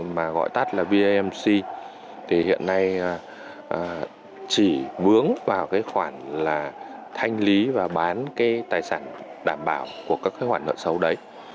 mà gọi tắt là vnmc thì hiện nay chỉ bướn vào cái khoản là thanh lý và bán cái tài sản đảm bảo của các cái khoản nợ xấu đấy